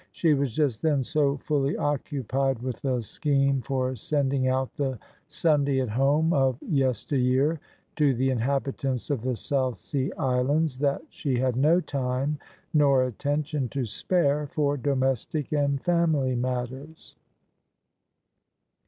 She was just then so fully occupied with a scheme for sending out the " Sunday at Home " of yesteryear to the inhabitants of the South Sea Islands that she had no time nor attention to spare for domestic and family matters.